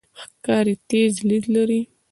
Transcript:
ښکاري تیز لید لري.